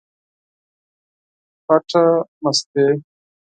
خټه مستې،